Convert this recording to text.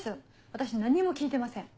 私何も聞いてません。